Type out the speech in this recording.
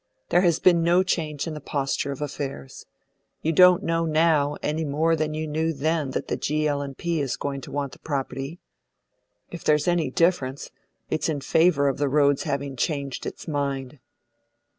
There has been no change in the posture of affairs. You don't know now any more than you knew then that the G. L. & P. is going to want the property. If there's any difference, it's in favour of the Road's having changed its mind."